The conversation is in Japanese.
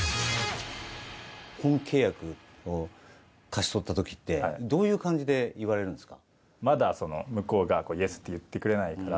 本契約を勝ち取った時ってどういう感じで言われるんですか。